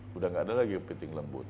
sudah tidak ada lagi piting lembut